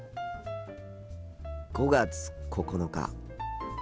５月９日。